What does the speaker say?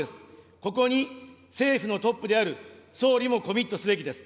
ここに政府のトップである総理もコミットすべきです。